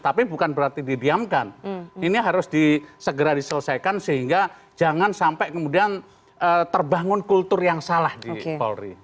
tapi bukan berarti didiamkan ini harus segera diselesaikan sehingga jangan sampai kemudian terbangun kultur yang salah di polri